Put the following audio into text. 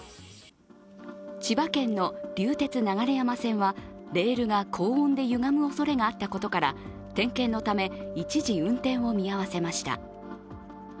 千葉県の流鉄流山線はレールが高温でゆがむおそれがあったことから点検のため、一時運転を見合わせました。